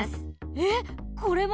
えっこれも？